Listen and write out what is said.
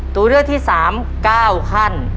ตัวเลือกที่๓๙ขั้น